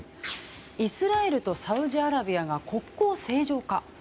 イスラエルとサウジアラビアが国交正常化？